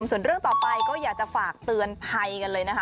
ส่วนเรื่องต่อไปก็อยากจะฝากเตือนภัยกันเลยนะคะ